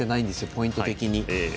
ポイント的に。